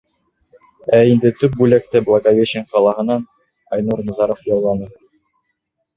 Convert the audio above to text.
Ә инде төп бүләкте Благовещен ҡалаһынан Айнур Назаров яуланы.